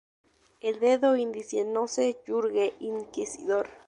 El dedo índice no se yergue inquisidor.